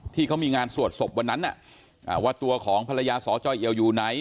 ที่เขามีงานสวดศพวันนั้นว่าตัวของภรรยาสจเอียวอยู่ไหน